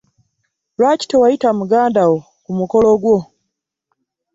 Lwaki tewayita muganda wo ku mukolo gwo?